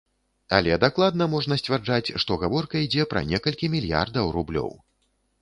Але дакладна можна сцвярджаць, што гаворка ідзе пра некалькі мільярдаў рублёў.